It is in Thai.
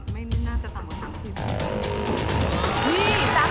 ไม่น่าจะต่ำกว่า๓๐